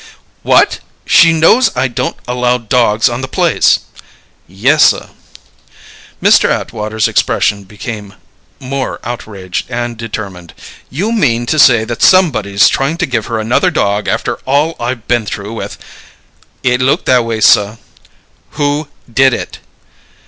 "What! She knows I don't allow dogs on the place." "Yessuh." Mr. Atwater's expression became more outraged and determined. "You mean to say that somebody's trying to give her another dog after all I've been through with " "It look that way, suh." "Who did it?"